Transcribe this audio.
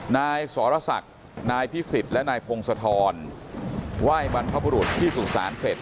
นายสรศักดิ์นายพิสิทธิ์และนายพงศธรไหว้บรรพบุรุษที่สุสานเสร็จ